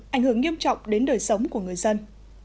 ảnh hưởng nghiêm trọng đến đời sống của người dân